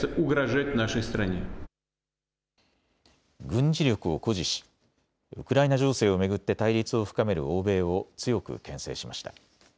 軍事力を誇示し、ウクライナ情勢を巡って対立を深める欧米を強くけん制しました。